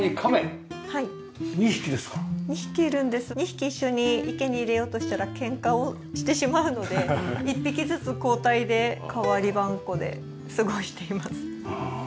２匹一緒に池に入れようとしたらケンカをしてしまうので１匹ずつ交代で代わりばんこで過ごしています。